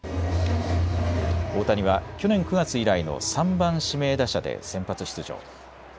大谷は去年９月以来の３番・指名打者で先発出場。